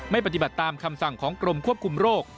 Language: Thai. ปฏิบัติตามคำสั่งของกรมควบคุมโรค